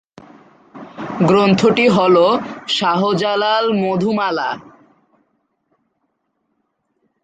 গ্রন্থটি হল "শাহজালাল-মধুমালা"।